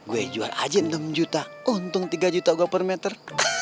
gue jual aja enam juta untung tiga juta gue per meter